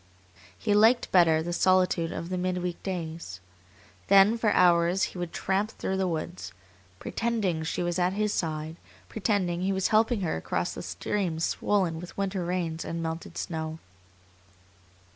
He liked better the solitude of the midweek days. Then for hours he would tramp through the woods, pretending she was at his side, pretending he was helping her across the streams swollen with winter rains and melted snow.